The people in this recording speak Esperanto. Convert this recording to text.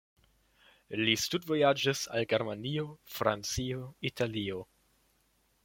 Li studvojaĝis al Germanio, Francio, Italio.